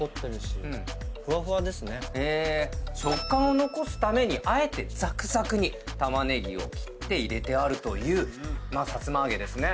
食感を残すためにあえてザクザクに玉ねぎを切って入れてあるというさつま揚げですね。